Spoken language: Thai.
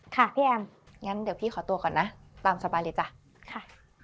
ค่ะพี่แอมงั้นเดี๋ยวพี่ขอตัวก่อนนะตามสบายเลยจ้ะค่ะ